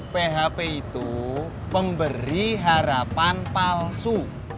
php itu pemberi harapan palsu